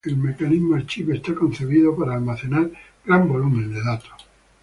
El mecanismo Archive está concebido para almacenar gran volumen de datos.